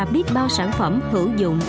biết bao sản phẩm hữu dụng